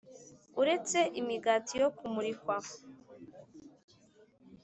Uretse Imigati Yo Kumurikwa